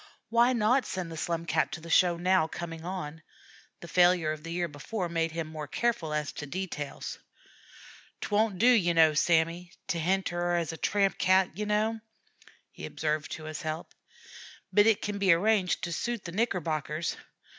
Why not send the Slum Cat to the show now coming on? The failure of the year before made him more careful as to details. "'T won't do, ye kneow, Sammy, to henter 'er as a tramp Cat, ye kneow," he observed to his help; "but it kin be arranged to suit the Knickerbockers.